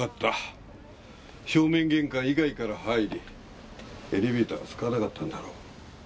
正面玄関以外から入りエレベーターは使わなかったんだろう。